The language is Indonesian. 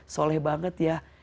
soleh banget ya